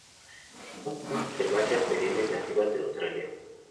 Son plantas herbáceas perennes nativas de Australia.